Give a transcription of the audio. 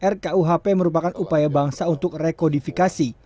rkuhp merupakan upaya bangsa untuk rekodifikasi